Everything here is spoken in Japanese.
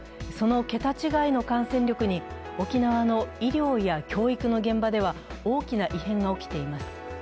その桁違いの感染力に沖縄の医療や教育の現場では大きな異変が起きています。